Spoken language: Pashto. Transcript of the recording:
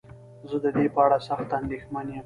زه ددې په اړه سخت انديښمن يم.